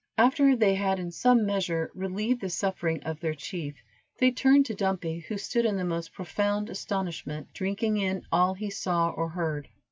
After they had in some measure relieved the suffering of their chief, they turned to Dumpy, who stood in the most profound astonishment, drinking in all he saw or heard.